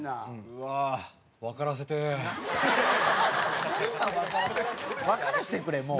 わからせてくれもう。